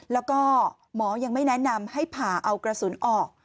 แล้วก็หมอยังไม่แนะนำให้ผ่าเอากระสุนออก